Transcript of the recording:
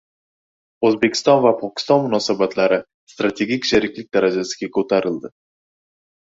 O‘zbekiston va Pokiston munosabatlari strategik sheriklik darajasiga ko‘tarildi